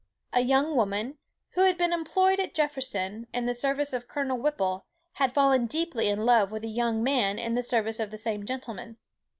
A young woman, who had been employed at Jefferson, in the service of Colonel Whipple, had fallen deeply in love with a young man in the service of the same gentleman.